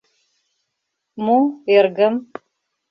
— Мо, эргым?